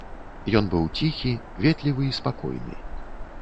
Ён быў ціхі, ветлівы і спакойны.